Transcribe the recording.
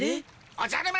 おじゃる丸！